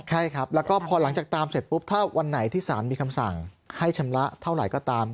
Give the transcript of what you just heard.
ใช่ครับแล้วก็พอหลังจากตามเสร็จปุ๊บถ้าวันไหนที่สารมีคำสั่งให้ชำระเท่าไหร่ก็ตาม